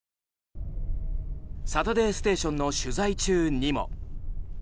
「サタデーステーション」の取材中にも。